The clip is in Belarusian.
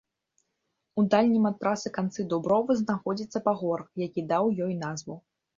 У дальнім ад трасы канцы дубровы знаходзіцца пагорак, які даў ёй назву.